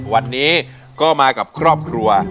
วันนี้ก็มากับครอบครัว